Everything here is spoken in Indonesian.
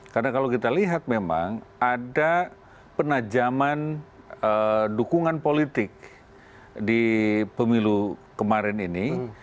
karena kalau kita lihat memang ada penajaman dukungan politik di pemilu kemarin ini